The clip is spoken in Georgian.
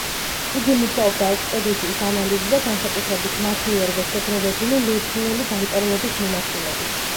იგი მუშაობდა ექსპედიციის ანალიზზე, განსაკუთრებით მათ მიერვე შეგროვებული ლურსმნული დამწერლობის მიმართულებით.